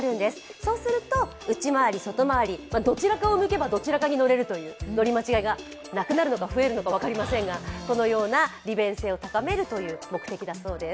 そうすると内回り外回り、どちらかにいけばどちらかに乗れるという乗り間違いが増えるのか減るのか分かりませんが、利便性を高めるということです。